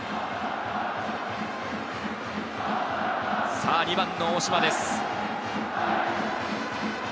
さあ、２番の大島です。